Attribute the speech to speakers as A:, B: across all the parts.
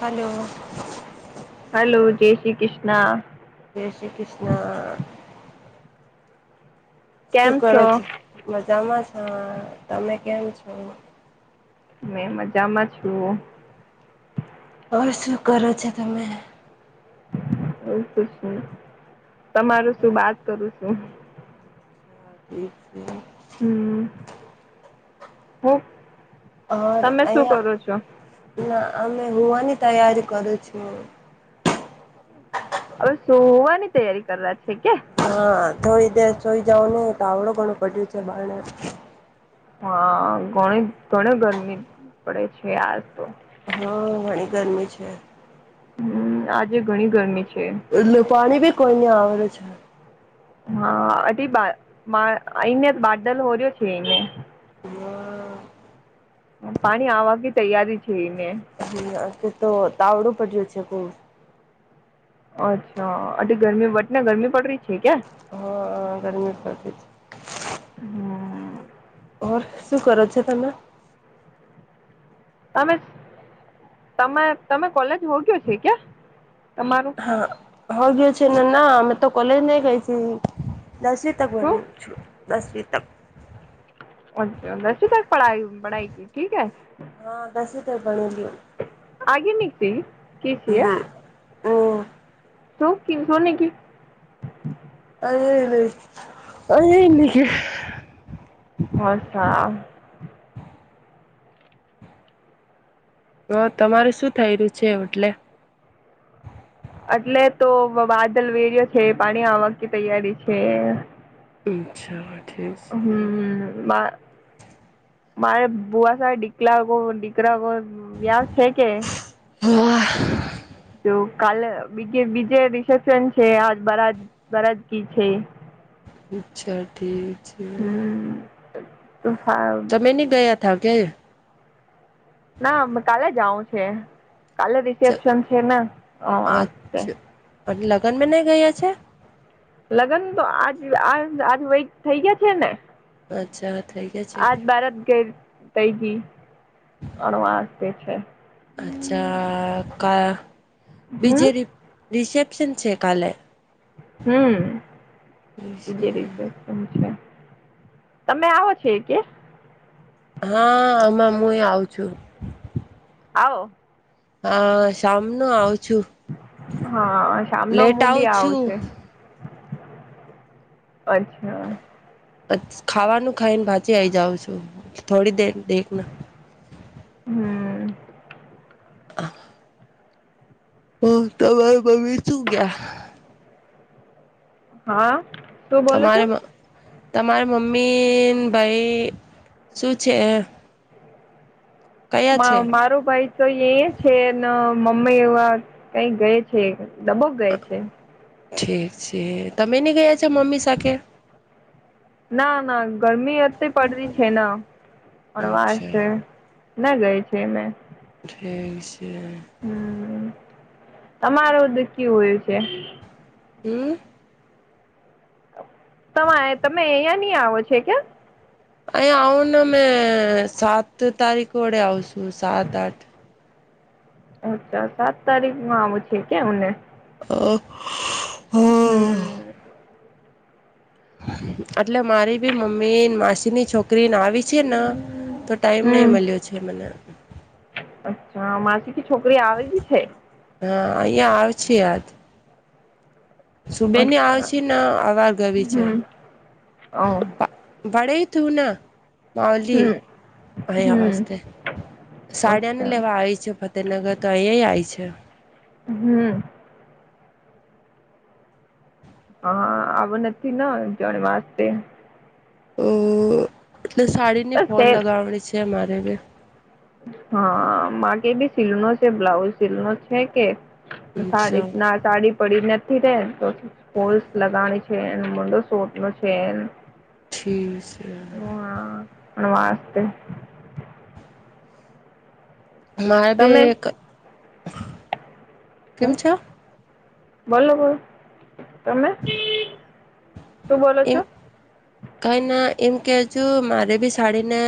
A: Hello.
B: Krishna.
A: જય શ્રી કૃષ્ણ. શું કરો છો મજામાં છે તમે કેમ છો.
B: મેં મજામાં છું.
A: ઓર શું કરો છો તમે.
B: એવ નહી તમારું શું વાત કરું છુ. હ
A: હ ઠીક ઠીક
B: હમ્મ, હા.
A: અ અયા ના અમેં હુવાની તૈયારી કરું છું.
B: હવે સોવાની તૈયારી કરવાયા છે કે?
A: હા થોડી દેર સોઈ જાવ ને તો આવડું ઘણું પડ્યું છે બારને.
B: હા, ઘણી ઘણી ગરમી પડે છે આજ તો.
A: હા ઘણી ગરમી છે.
B: હમ્મ, આજે ઘણી ગરમી છે
A: પાણી ભી કોઈ નહી આવડે છે.
B: હા અઢી બા આઈને બાદલ હોર્યો છે એને.
A: હા,
B: પાણી આવવા કે તૈયારી છે એને.
A: હમ્મ, કે તો તાવડું પડ્યું છે કોઈ.
B: અચ્છા, અઢી ગરમી બટ ને ગરમી પડે ર છે કયા?
A: હા ગરમી પથી.
B: હમ્મ.
A: ઓર શું કરો છો તમે?
B: તમે, તમે તમે કોલેજ ભોગ્યો છે ક્યા?
A: હા, હો ગયો છે ના અમે તો કોલેજ નઈ ગઈ છી. દસવી તક
B: શું
A: ભણું છું દસવી તક.
B: ઓછા દશવી તક પધાઈ પઢાઇ કી ઠીકે?
A: હા દશવી તો ભણી લું.
B: આગે નકથી કે છીએ.
A: હમ
B: શું [unintelligible] કી.
A: અરે રે, અરે લે.
B: હચ્છા.
A: તમારે શું થઈ રહ્યું છે ઓટલે?
B: એટલે તો વાદલ વેર્યો છે પાણી આવક ની તૈયારી છે.
A: અચ્છા. ઠીક છે
B: હમ્મ, બા મારે બુવા સા દીકલા દીકરા્યા છે કે?
A: વાહ.
B: તો કાલે બીજે બીજે રિસેપ્શન છે આ બરા બરાદગી છે.
A: અચ્છા ઠીક છે.
B: તોફા
A: તમે નહી ગયા થા કે?
B: ના કાલે જાઉં છે. કાલે
A: અચ્છા
B: રિસેપ્શન છે ને. હા આ છે.
A: અને લગ્નમાં નઈ ગયા છે?
B: લગ્ન તો આજ આ આજ વય થઈ ગયા છે ને?
A: અચ્છા. થઈ ગયા
B: આજ
A: છે
B: બારત ગર તઈજી અણવા તે છે.
A: અચ્છા કા
B: હમ
A: બીજે રિ રિસેપ્શન છે કાલે.
B: હમ્મ, બીજે રિસેપ્શન છે. તમે આવો છો કે?
A: હા હમાં હું એ આવું છું.
B: આવો.
A: હા શમનું આવ.
B: હા શમનો
A: લેટ
B: હું બી આવું
A: છું
B: છે. અચ્છા.
A: પછ ખાવાનું ખાઈને પાચી આઈ જાઉં છું થોડી દેર દેખ ના.
B: હમ્મ.
A: હ! હ તમારી મમ્મી શું ગયા.
B: હા શું બોલો છો.
A: તમારે તમારે મમ્મી ને ભાઈ શું છે. કયા છે
B: મારો ભાઈ તો એ છે મમ્મી એવા કઈ ગય છે. દબક ગઈ છે.
A: ઠીક છે તમે ની ગયા છો મમ્મી સાથે.
B: ના ના ગરમી અટલી પડતી છે ના પણ વાર છે.
A: ઠીક
B: ના ગઈ છે ને.
A: એ છે.
B: હમ તમારું દુઃખયુ હોયું છે.
A: હમ્મ.
B: તમે આ તમે અહંયા નહી આવો છ કે?
A: અહીં આવુંને મે સાત તારીખ વડે આવશું સાત આઠ.
B: અચ્છા સાત તારીખમાં આવું છે કે એમને.
A: અ
B: હમ્મ.
A: એટલે મારી બી મમ્મી માસીની છોકરીને આવી છે ને તો ટાઈમ નહી
B: હમ
A: મળ્યો છે મને.
B: હા માસી ની છોકરી આવેલી છે.
A: હા અહિયાં આવ છે યાદ. સુબેની આવ
B: અચ્છા
A: છે ને અવાર ગવી છે.
B: હમ ઓ
A: વળી તું ના માવલી
B: હમ
A: આવયા
B: હમ
A: વસ્તે. સાડિયાને
B: અચ્છા
A: લેવા આવી છે ફતેહનગર તો અહીયા આવી છે.
B: હમ. હા આવું નથી જો વાતતે.
A: અ એટલે સાડીની ફોલ
B: બસ
A: લગાવણી છે. મારે એટલે.
B: હા માગ ભી સીલનો છે બ્લાઉઝ સીલનો છે કે,
A: અચ્છા
B: સાડી ના સાડી પડી નથી. તો પોસ લગાની છે મડો શોટનો છે.
A: ઠીક છે.
B: નમાસ્તે.
A: મારે બે
B: તમે
A: એક જ કેમ છે.
B: બોલો બોલો. તમે શું બોલો
A: એમ
B: છો.
A: કઈ ના એમ કેજો મારે બી સાડીને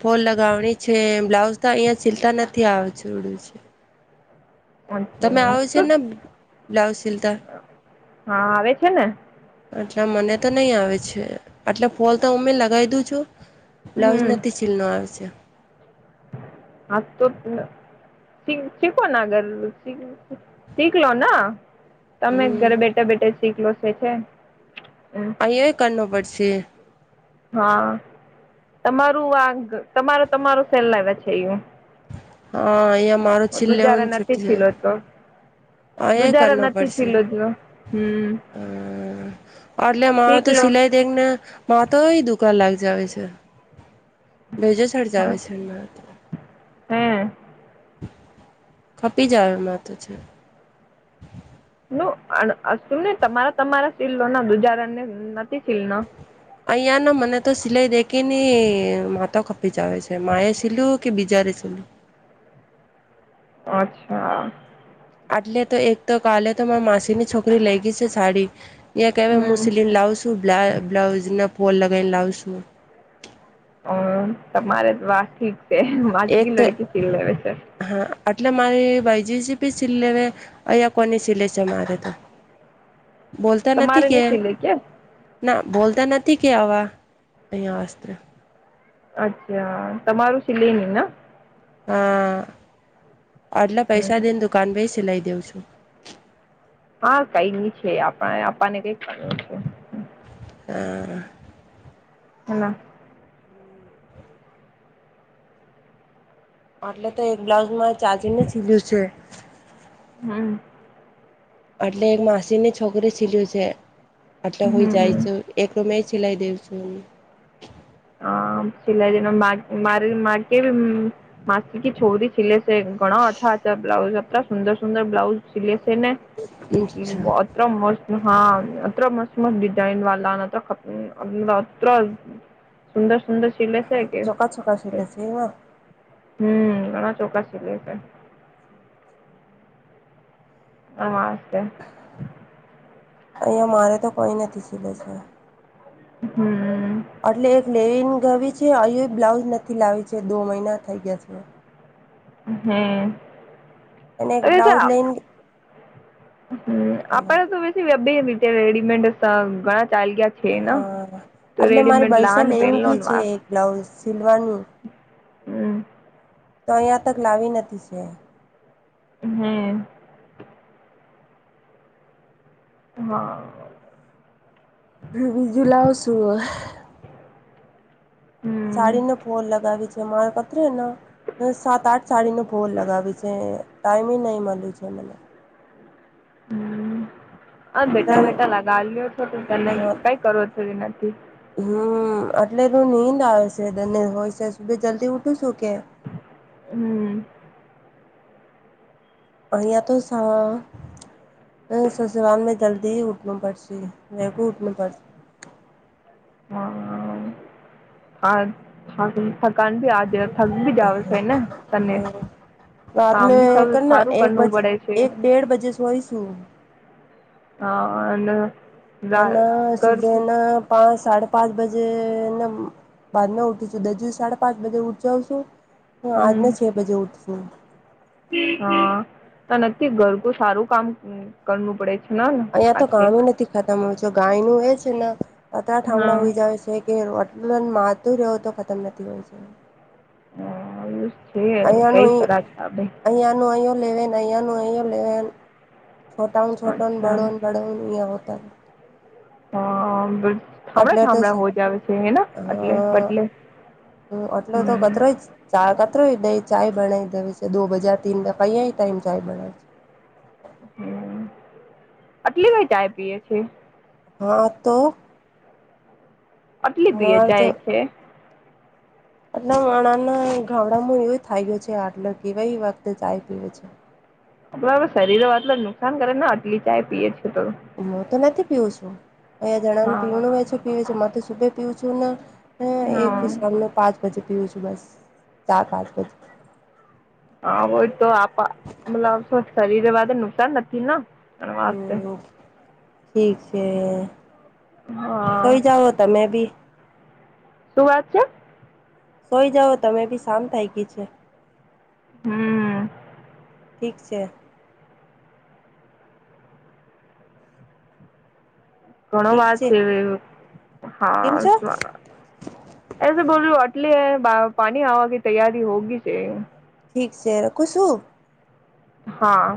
A: ફોલ લગાવણી છે બ્લાઉઝ તો અહીયા શીલતા નથી. આવ છોડું છે.
B: હા
A: તમે આવો છો ને બ્લાઉઝ સિલતા.
B: હા આવે છે ને.
A: એટ મને તો નહીં આવે છે એટલે ફોલ તો હમે લગાવી દઉ છું. બ્લાઉઝ નથી ચીલનો આવે છે.
B: હત. શીખોનેગર શીખલો ના તમે
A: હમ
B: ઘરે બેઠા બેઠા શીખલો છે
A: અહીંયા ય કનુ પડશે
B: હા તમારું આ તમારો તમારો સેલ લાવ છે એ.
A: હા એમ.
B: તું જારે નથી છીલો તો.
A: અહીંયા
B: બુજારો
A: કરનો
B: નથી
A: પડશે
B: ચીલો જો હમ.
A: અલે મા
B: શીખ
A: તો
B: લો
A: સિલાઈ દેખના મામાં તો દુઃખ. કા લાગ જાવ છે ભેજો છડ જ આવે છે.
B: હે
A: ખપી જઓ માતો છે.
B: શુંને તમારા તમારા સીલો ના દુજાર ને નથી શીલ ન.
A: અહીંયા ના મને તો સિલાઈ દેખ ને માતો કપી જ આવે છે મા એ સિલું કે બીજા. કરીશ.
B: હા. અચ્છા.
A: આટલે તો એક તો કાલે તો મા માસીની છોકરી લઈ ગઈ છે સાડી. કહેવા હું
B: હમ
A: સીલીને લાવ છું બ્લાઉઝ ના ફોલ લગાવને લાવ છું.
B: હમ તમારે વાત ઠીક છે
A: એક
B: વાજકી
A: તો
B: લડકી ચીલ લેવે છે.
A: હા એટલે મારી ભાઈજીસી બી સી લેવે અહીિયાયા કોની સીલે છે મારે તો. બોલતા નથી
B: તમારે
A: કે
B: નહી સિલે કે
A: ના. બોલતા નથી કે આવા અહંયા વસ્ત્ર.
B: અચ્છા તમારું સિલે ન ના.
A: હા એટલે પૈસા દઈને દુકાન ભ સિલાઈ દઉં છું.
B: હા કઈ નઈ છે આપણા આપાને કઈક કર છે.
A: આ.
B: [unintelligible]
A: એટલે તો એક બ્લાઉઝમાં ચાજીને સીલું છે.
B: હમ
A: એટલે એક માસીની છોકરી છીલ્યું છે. આટલે હોય જાય
B: હમ
A: છે એક રૂ મે સિલાઈ દેવ છું એ.
B: હ સલા દ મા માકે [unintelligible] છોરી છલે છે. ઘણાો અચ્છા અચ્છા બ્લાઉઝ હતા સુંદર સુંદર બ્લાઉસ સીલે ને અત્ર મસ્ત હા અત મસ્ત. કમત ડિઝાઈન વાલા નત્ર ખપ અત્ર સુંદર. સુંદર શીલે છે કે
A: ચોખા ચોખા સીલે છે એમાં
B: હમ ઘણા ચોક્સ. [unintelligible] હા.
A: અહીંયા મારે તો કઈ નથી ચીલે છે.
B: હમ્મ.
A: એટલે એક લેવીન ગવી છે અહી બ્લાઉઝ નથી લાવી છે દો મહિના થઈ ગયા છે.
B: હમ્મ.
A: એને બ્લાઉઝ લાઈન.
B: હમ આપડે તો વ વ બે રીતે રેડીમેડ ઘણા. ચાલ્યા છે
A: હા
B: તું
A: એટલે મારી
B: રેડીમેડ લા
A: પૈસા
B: ને
A: લઈને ગી
B: પહેનલોને
A: છે
B: વાર.
A: એક બ્લાઉઝ તો અહીયા તક લાવી નથી છે.
B: હમ્મ. હા.
A: વિજુલાઉ સુુંર.
B: હમ
A: સાડી ને ફોલ લગાવી છે મારે કતરીને. સાત આઠ સાડી ન ફોલ લગાવી છે ટાઈમ નહી મળ્યું છે મને.
B: હમ અ બેઠા
A: ત્રણ
B: બેઠા લગા લ્યો છો તો તને
A: હા
B: કઈ કરો છ નથી.
A: હમ એટલે એનું નીંદ આવે છે તને હોય છે ભી જલ્દી ઉઠું છું કે.
B: હમ્મ.
A: અહીંયા તો સ અ સસ વા મે જલ્દી ઉઠના પડશે બેખું ઉઠના પડશે.
B: હ ખા હ થ. કણ ભી આજે થક ભી જાવ છેને તને.
A: હા રાતને
B: કામ બી સૌ
A: કર ના
B: સારું
A: એક
B: કરવું
A: બજ
B: પડે છે
A: એક ડેડ બજે શોયશું.
B: હા! એ
A: અને સુબેના પાંચ. સાડે પાંચ બજે ને બાારમાં ઉઠીશું. દજુ સાડા પાંચજે ઉઠજાવ છું. હું.
B: હમ
A: આજના છે બજે ઉઠશું.
B: નક્કી ઘર તો સારું કામ કરવું પડે. છે ને
A: અહીિયાયા તો
B: આતે
A: કામ નથી ખતમ હોતો. ગાય નું એ છે ને અત
B: હા
A: થામડા હોઈ જાય છે કે. માતું રહવું તો ખતમ નથી હોય છે.
B: હ એુંજ છે, કઈ
A: અહીંયાનું
B: કરા છેે.
A: અહીંયાનું અહીયો લેવેન અહીંયા નયો લેવેન. છોટા છોટને
B: અચ્છા
A: બડોન બડોન ય હોતા.
B: હા! બ થામડા
A: એટલે તો હ
B: થામડા હોજ આવે છે. હેના એટલે બટલે.
A: હ એટલે તો
B: હમ
A: કતરો જ ચ. કત દ ચાય બનાવી દેવી છે. દો બજા તન કહીંયા ટાઈમ ચાય બના છે.
B: હમ આટલી કઈ ચાય પીએ છે?
A: હા! તો?
B: આટલી
A: માર તો
B: પીજાય છે?
A: આટલા વણાના ગામડામાં એવું થાય ગય છે. આટલો કેવાઈ વખતે ચાય પીવે છે.
B: આપ શરીર આટલ જ નુકસાન કરે ને આટલી ચાય પીએ છીએ.
A: હું તો નથી પીઉું છું. અહીંયા જણાનું
B: હા
A: પીવનું હો છેું પીવે છે તો. શભે પીઉું છું ને. એક
B: હા
A: થી શામને પાંચ બજે. ી છું બસ. તારબદ બધું.
B: હા! ભય તો આપ મતલ ખરીર વા નુકસાન નથી ના?
A: હમ! ઠીક છે.
B: હા
A: સોઈ જાઓ તમે બી.
B: શું વાત છે?
A: સોઈ જાઓ તમે બી. શામ થઇ ગઈ છે.
B: હમ!
A: ઠીક છે.
B: ઘણો વાત છે.
A: કેમ
B: હા
A: છો
B: એ બોલું. એટલે પાણી આવવા કે તૈયારી હોગી છે.
A: ઠીક છે. રખું છું.
B: હા!